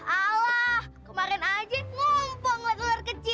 alah kemarin aja ngumpul ngelai telur kecil